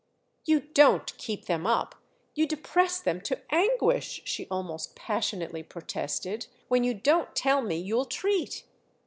"You don't keep them up, you depress them to anguish," she almost passionately protested, "when you don't tell me you'll treat!"